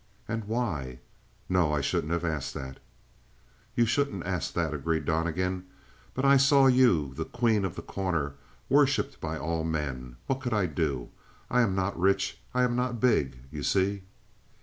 "And why? No, I shouldn't have asked that." "You shouldn't ask that," agreed Donnegan. "But I saw you the queen of The Corner, worshiped by all men. What could I do? I am not rich. I am not big. You see?"